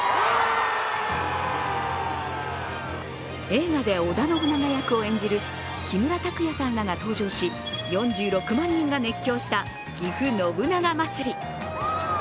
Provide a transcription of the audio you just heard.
映画で織田信長役を演じる木村拓哉さんらが登場し、４６万人が熱狂したぎふ信長まつり。